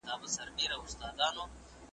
په بغارو په فریاد سول له دردونو .